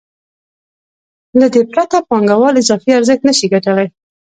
له دې پرته پانګوال اضافي ارزښت نشي ګټلی